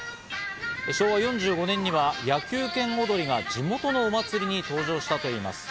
昭和４５年には野球拳おどりが地元のお祭りに登場したといいます。